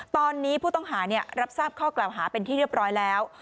ตอนนี้ผู้ต้องหารับทราบข้อกล่าวหาเป็นที่เรียบร้อยแล้ว